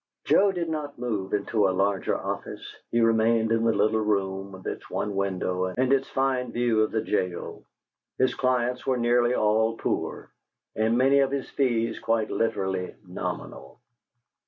Joe did not move into a larger office; he remained in the little room with its one window and its fine view of the jail; his clients were nearly all poor, and many of his fees quite literally nominal.